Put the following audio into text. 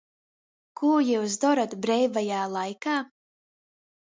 Kū jius dorot breivajā laikā?